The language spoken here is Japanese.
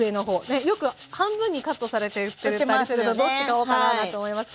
よく半分にカットされて売ってたりするとどっちか分からないと思いますけど。